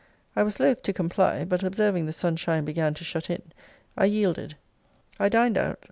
I was loth to comply: but observing the sun shine began to shut in, I yielded. I dined out.